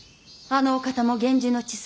あのお方も源氏の血筋。